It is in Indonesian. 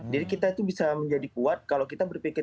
jadi kita itu bisa menjadi kuat kalau kita berpikir